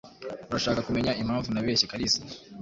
Urashaka kumenya impamvu nabeshye Kalisa?